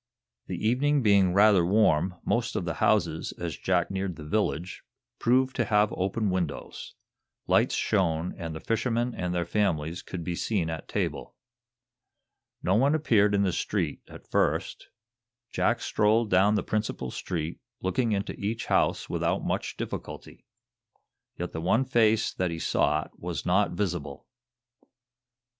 The evening being rather warm, most of the houses, as Jack neared the village, proved to have open windows. Lights shone, and the fishermen and their families could be seen at table. No one appeared in the street, at first. Jack strolled down the principal street, looking into each house without much difficulty. Yet the one face that he sought was not visible.